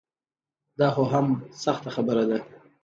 دا خو هم سخته خبره ده.